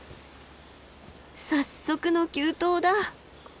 早速の急登だ。